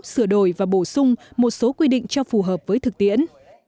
sửa đổi và bổ sung một số quy định cho phù hợp với thực tiễn